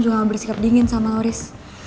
juga gak bersikap dingin sama loris